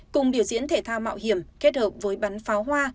cùng biểu diễn thể thao mạo hiểm kết hợp với bắn pháo hoa